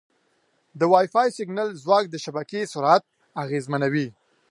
د وائی فای سیګنال ځواک د شبکې سرعت اغېزمنوي.